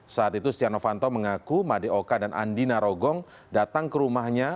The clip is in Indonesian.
saat itu setia novanto mengaku madeoka dan andi narogong datang ke rumahnya